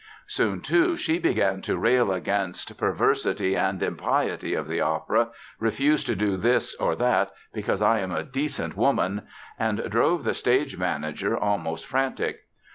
Soon, too, she began to rail against "perversity and impiety of the opera, refused to do this or that 'because I am a decent woman'," and drove the stage manager almost frantic.